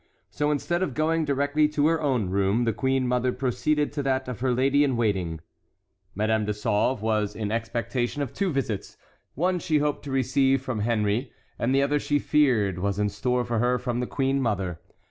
So instead of going directly to her own room the queen mother proceeded to that of her lady in waiting. Madame de Sauve was in expectation of two visits—one she hoped to receive from Henry, and the other she feared was in store for her from the queen mother.